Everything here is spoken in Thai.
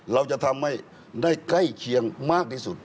เราจะทำให้ได้ใกล้เคียงมากที่สุด